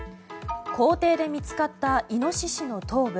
校庭で見つかったイノシシの頭部。